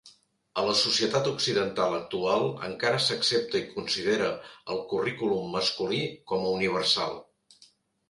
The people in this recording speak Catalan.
A la societat occidental actual encara s'accepta i considera el currículum masculí com a universal.